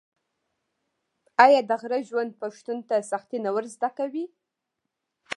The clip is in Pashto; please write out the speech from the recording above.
آیا د غره ژوند پښتون ته سختي نه ور زده کوي؟